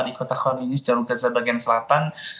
di kota kloninis jawa gaza bagian selatan